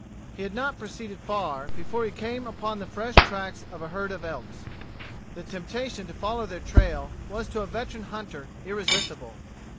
He had not proceeded far before he came upon the fresh tracks of a herd of elks. The temptation to follow their trail was to a veteran hunter irresistible.